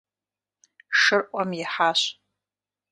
Шыр ӏуэм ихьащ.